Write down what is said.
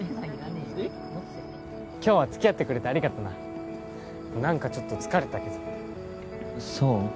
今日は付き合ってくれてありがとな何かちょっと疲れたけどそう？